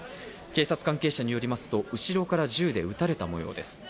警察関係者によりますと、後ろから銃で撃たれた模様です。